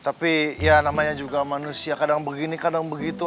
tapi ya namanya juga manusia kadang begini kadang begitu